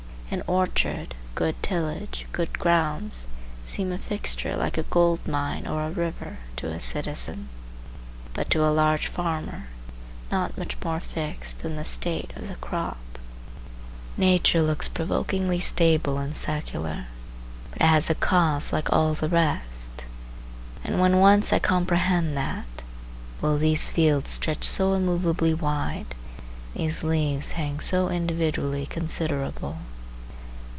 An orchard, good tillage, good grounds, seem a fixture, like a gold mine, or a river, to a citizen; but to a large farmer, not much more fixed than the state of the crop. Nature looks provokingly stable and secular, but it has a cause like all the rest; and when once I comprehend that, will these fields stretch so immovably wide, these leaves hang so individually considerable?